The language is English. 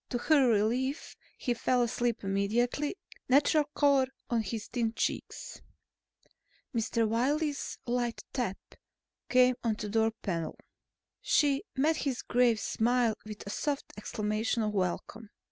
To her relief, he fell asleep immediately, natural color on his thin cheeks. Mr. Wiley's light tap came on the door panel. She met his grave smile with a soft exclamation of welcome.